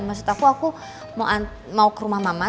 maksud aku aku mau ke rumah mama